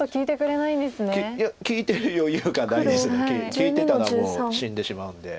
聞いてたらもう死んでしまうんで。